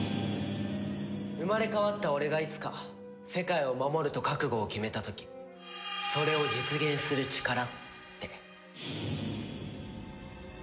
「生まれ変わった俺がいつか世界を守ると覚悟を決めた時それを実現する力」って。